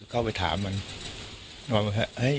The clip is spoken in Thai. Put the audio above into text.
ข้อจิตเข้าไปถามมันเน่ะเฮ้ย